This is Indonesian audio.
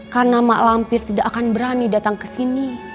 karena mak lampir tidak akan berani datang ke sini